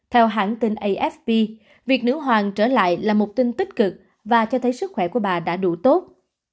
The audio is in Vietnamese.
theo hãng tin afp việc nữ hoàng trở lại là một tin tích cực và cho thấy sức khỏe của bà đã đủ tốt